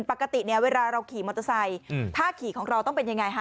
ปกติเนี่ยเวลาเราขี่มอเตอร์ไซค์ท่าขี่ของเราต้องเป็นยังไงฮะ